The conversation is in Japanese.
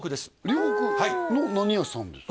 両国の何屋さんですか？